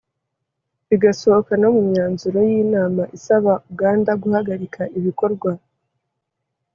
bigasohoka no mu myanzuro y'inama isaba uganda guhagarika ibikorwa